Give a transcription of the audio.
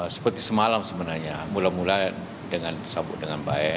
seperti semalam sebenarnya mulai mulai dengan disambut dengan baik